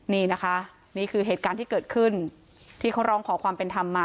นี่นะคะนี่คือเหตุการณ์ที่เกิดขึ้นที่เขาร้องขอความเป็นธรรมมา